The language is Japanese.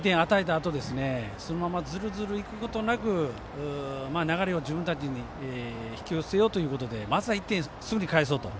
あとそのまま、ずるずるいくことなく流れを自分たちに引き寄せようということでまずは１点すぐにかえそうと。